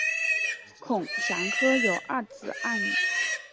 孔祥柯有二子二女